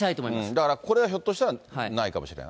だからこれはひょっとしたらないかもしれない。